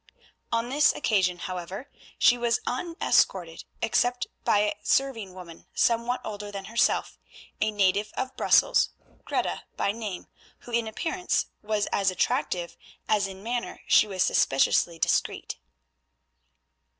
On this occasion, however, she was unescorted except by a serving woman somewhat older than herself, a native of Brussels, Greta by name, who in appearance was as attractive as in manner she was suspiciously discreet.